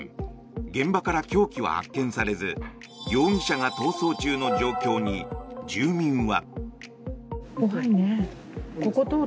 現場から凶器は発見されず容疑者が逃走中の状況に住民は。